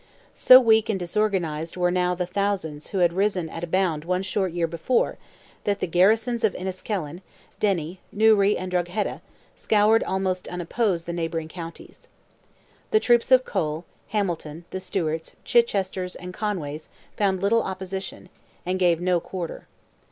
So weak and disorganized were now the thousands who had risen at a bound one short year before, that the garrisons of Enniskillen, Derry, Newry, and Drogheda, scoured almost unopposed the neighbouring counties. The troops of Cole, Hamilton, the Stewarts, Chichesters, and Conways, found little opposition, and gave no quarter.